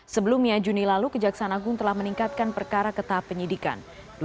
sebelumnya juni lalu kejaksaan agung telah meningkatkan perkara ke tahap penyidikan